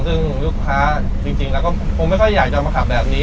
ซึ่งลูกค้าจริงแล้วก็คงไม่ค่อยอยากจะมาขับแบบนี้